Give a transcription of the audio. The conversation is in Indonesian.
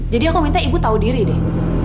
jadi aku minta ibu tahu diri deh